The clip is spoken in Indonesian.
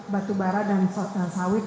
batubara dan sawit